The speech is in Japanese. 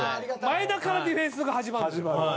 前田からディフェンスが始まるんですよ。